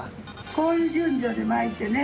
こういう順序で巻いてね。